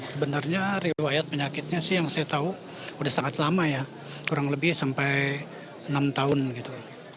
sebenarnya riwayat penyakitnya sih yang saya tahu sudah sangat lama ya kurang lebih sampai enam tahun gitu